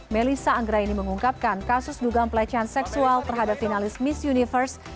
melissa anggraini mengungkapkan kasus dugaan pelecehan seksual terhadap finalis miss universe